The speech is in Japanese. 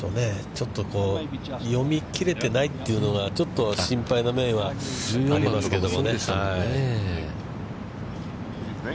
ちょっとこう読み切れてないというのがちょっと心配な面はありますけどもね。